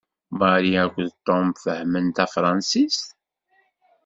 Mary akked Tom fehhmen tafṛansist?